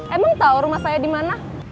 emang tau rumah saya dimana